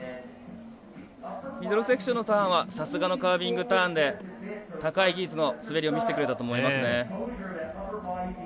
ミドルセクションのターンはさすがのカービングターンで高い技術の滑りを見せてくれたと思います。